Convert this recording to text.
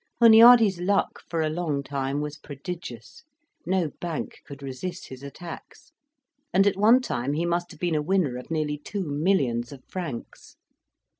Hunyady's luck for a long time was prodigious: no bank could resist his attacks; and at one time he must have been a winner of nearly two millions of francs.